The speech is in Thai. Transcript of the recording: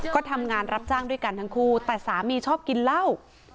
ก็ทำงานรับจ้างด้วยกันทั้งคู่แต่สามีชอบกินเหล้า